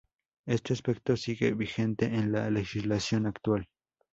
Este aspecto sigue vigente en la legislación actual.